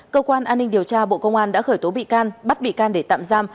cơ quan an ninh điều tra bộ công an đã khởi tố bị can bắt bị can để tạm giam